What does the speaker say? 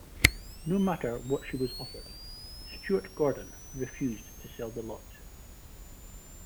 No matter what she was offered, Stewart-Gordon refused to sell the lot.